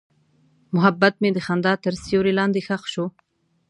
محبت مې د خندا تر سیوري لاندې ښخ شو.